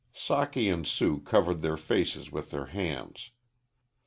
Socky and Sue covered their faces with their hands.